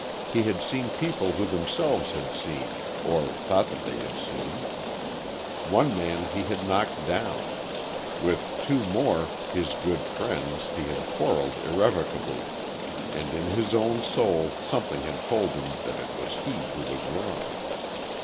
He had seen people who themselves had seen, or thought that they had seen. One man he had knocked down. With two more, his good friends, he had quarreled irrevocably. And in his own soul, something had told him that it was he who was wrong.